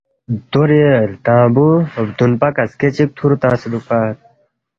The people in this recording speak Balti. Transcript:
دوری لدانگبُو بدُون پا کسکے چِک تھُورو تنگسے دُوکپَت